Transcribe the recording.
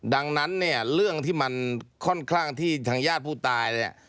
ดังนั้นเนี่ยเรื่องที่มันค่อนข้างที่ทางญาติผู้ตายเนี่ย